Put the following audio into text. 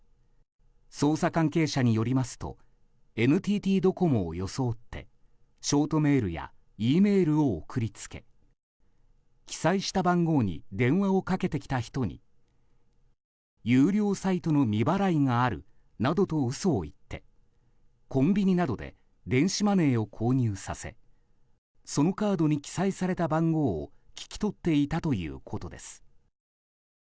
捜査関係者によりますとＮＴＴドコモを装ってショートメールやＥメールを送り付け記載した番号に電話をかけてきた人に有料サイトの未払いがあるなどと嘘を言ってコンビニなどで電子マネーを購入させそのカードに記載された番号を聞き取っていたということです。